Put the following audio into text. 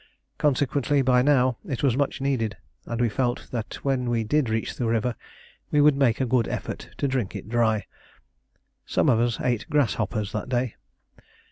Consequently, by now, it was much needed, and we felt that when we did reach the river we would make a good effort to drink it dry. Some of us ate grasshoppers that day.